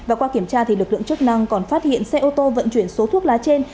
và qua kiểm tra lực lượng chức năng còn phát hiện xe ô tô vận chuyển số thuốc lá trên